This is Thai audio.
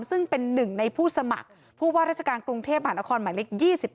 ซึ่งเป็นหนึ่งในผู้สมัครผู้ว่าราชการกรุงเทพหานครหมายเลข๒๙